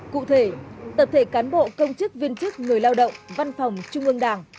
cụ thể tập thể cán bộ công chức viên chức người lao động văn phòng trung ương đảng